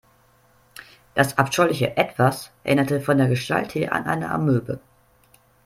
Das abscheuliche Etwas erinnerte von der Gestalt her an eine Amöbe.